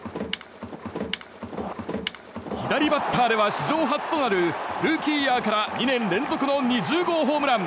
左バッターでは史上初となるルーキーイヤーから２年連続の２０号ホームラン。